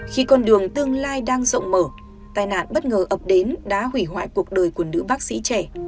khi con đường tương lai đang rộng mở tài nạn bất ngờ ập đến đã hủy hoại cuộc đời của nữ bác sĩ trẻ